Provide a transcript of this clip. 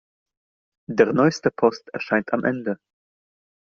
Der neueste Post erscheint am Ende.